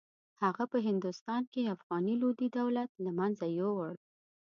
هغه په هندوستان کې افغاني لودي دولت له منځه یووړ.